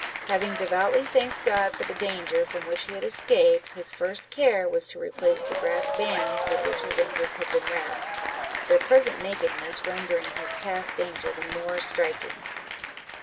Having devoutly thanked God for the danger from which he had escaped, his first care was to replace the grass bands with which his ancles had been wrapped, their present nakedness rendering his past danger the more striking.